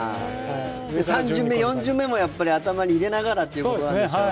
３巡目、４巡目も頭に入れながらということもあるんでしょうね。